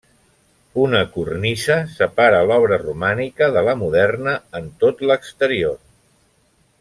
Una cornisa separa l'obra romànica de la moderna en tot l'exterior.